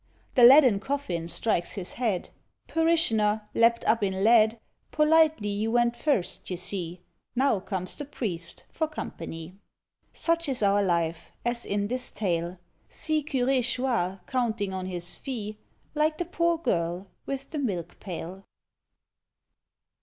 The leaden coffin strikes his head. Parishioner, lapped up in lead, Politely you went first, you see, Now comes the priest for company. Such is our life, as in this tale: See Curé Chouart counting on his fee, Like the poor girl with the milk pail.